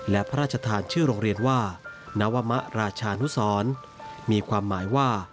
และพระราชทานชื่อโรงเรียนว่านวมะราชานุสรมีความหมายว่า